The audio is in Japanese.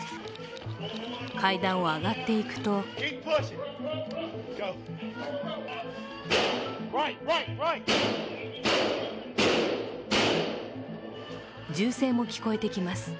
階段を上がっていくと銃声も聞こえてきます。